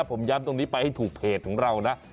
ผมย้ำตรงนี้ไปให้ถูกเพจของเรานะ